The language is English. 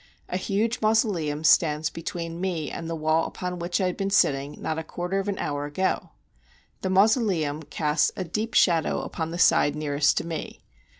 A huge mausoleum stands between me and the wall upon which I had been sitting not a quarter of an hour ago. The mausoleum casts a deep shadow upon the side nearest to me.